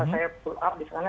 saya pull up di sana